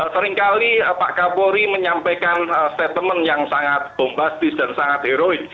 seringkali pak kapolri menyampaikan statement yang sangat bombastis dan sangat heroik